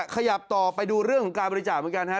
ขยับต่อไปดูเรื่องของการบริจาคเหมือนกันฮะ